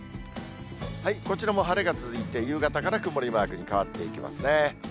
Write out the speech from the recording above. こちらも晴れが続いて、夕方から曇りマークに変わっていきますね。